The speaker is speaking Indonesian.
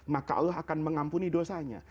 maka allah akan mengampuni dosanya